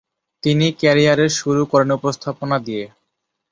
তিনি ক্যারিয়ারের শুরু করেন উপস্থাপনা দিয়ে।